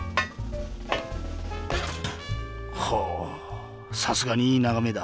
ほおさすがにいいながめだ。